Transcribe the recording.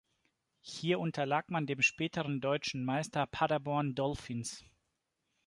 Hier unterlag man dem späteren Deutschen Meister Paderborn Dolphins.